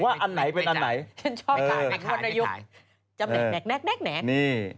ว่าอันไหนเป็นอันไหน